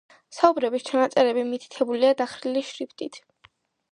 საუბრების ჩანაწერები მითითებულია დახრილი შრიფტით.